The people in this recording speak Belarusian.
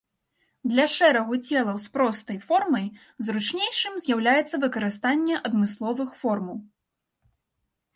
Для шэрагу целаў з простай формай зручнейшым з'яўляецца выкарыстанне адмысловых формул.